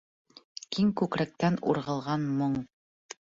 Киң күкрәктән урғылған моң.